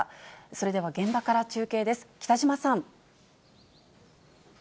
それでは現場から中継です、北嶋さん。